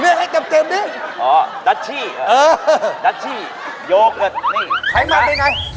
ดัชชีเผลอดัชชีโยเกิดนี่นะครับไขมันรึไง